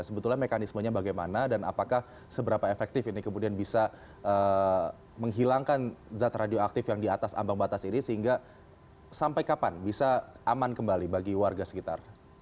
sebetulnya mekanismenya bagaimana dan apakah seberapa efektif ini kemudian bisa menghilangkan zat radioaktif yang di atas ambang batas ini sehingga sampai kapan bisa aman kembali bagi warga sekitar